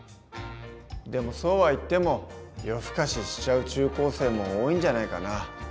でもそうはいっても夜更かししちゃう中高生も多いんじゃないかな？